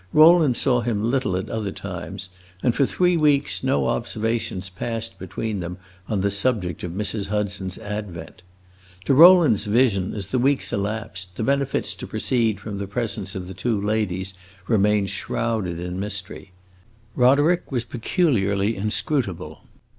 Rowland saw him little at other times, and for three weeks no observations passed between them on the subject of Mrs. Hudson's advent. To Rowland's vision, as the weeks elapsed, the benefits to proceed from the presence of the two ladies remained shrouded in mystery. Roderick was peculiarly inscrutable.